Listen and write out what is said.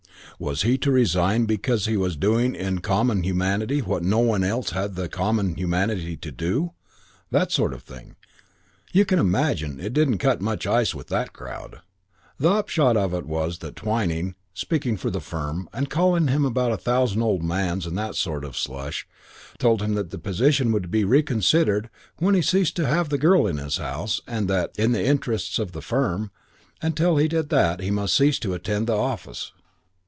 Was he to resign because he was doing in common humanity what no one else had the common humanity to do? That sort of thing. You can imagine it didn't cut much ice with that crowd. The upshot of it was that Twyning, speaking for the firm, and calling him about a thousand old mans and that sort of slush, told him that the position would be reconsidered when he ceased to have the girl in his house and that, in the interests of the firm, until he did that he must cease to attend the office.